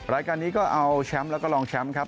รายการนี้ก็เอาแชมป์แล้วก็รองแชมป์ครับ